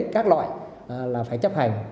các loại là phải chấp hành